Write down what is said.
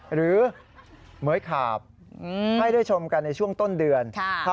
เหมือยขาบให้ได้ชมกันในช่วงต้นเดือน